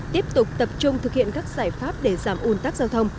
tiếp tục tập trung thực hiện các giải pháp để giảm un tắc giao thông